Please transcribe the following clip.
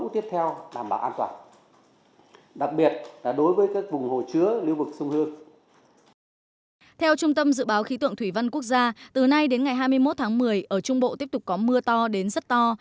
theo trung tâm dự báo khí tượng thủy văn quốc gia từ nay đến ngày hai mươi một tháng một mươi ở trung bộ tiếp tục có mưa to đến rất to